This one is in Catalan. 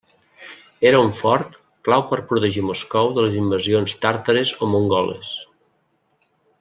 Era un fort clau per protegir Moscou de les invasions tàrtares o mongoles.